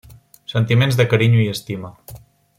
Sentiments de carinyo i estima.